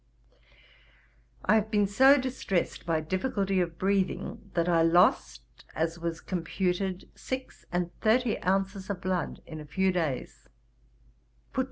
'I have been so distressed by difficulty of breathing, that I lost, as was computed, six and thirty ounces of blood in a few days.